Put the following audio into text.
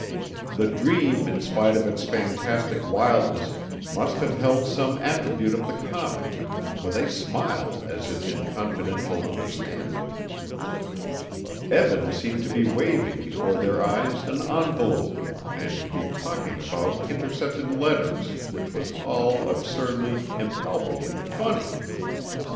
The dream in spite of its fantastic wildness must have held some attribute of the comic for they smiled as if in confidential understanding. Eben seemed to be waving before their eyes an envelope and to be talking about intercepted letters which was all absurdly, impalpably funny.